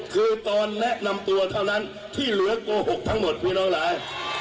คือตอนแนะนำตัวเท่านั้นที่เหลือโกหกทั้งหมดพี่น้องหลาย